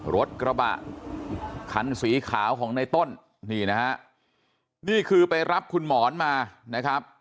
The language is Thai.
รถกระบะคันสีขาวของในต้นนี่นะฮะนี่คือไปรับคุณหมอนมานะครับ